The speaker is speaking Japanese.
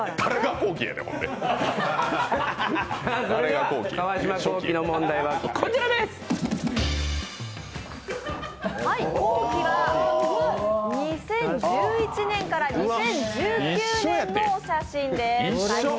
後期は２０１１年から２０１９年のお写真です。